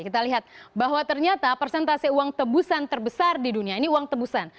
kita lihat bahwa ternyata persentase uang tebusan terbesar di dunia ini uang tebusan